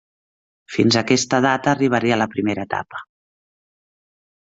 Fins a aquesta data arribaria la primera etapa.